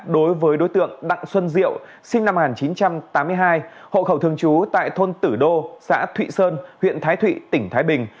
đối với đối tượng đặng xuân diệu sinh năm một nghìn chín trăm tám mươi hai hộ khẩu thường trú tại thôn tử đô xã thụy sơn huyện thái thụy tỉnh thái bình